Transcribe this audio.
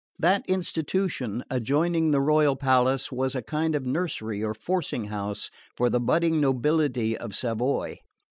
That institution, adjoining the royal palace, was a kind of nursery or forcing house for the budding nobility of Savoy.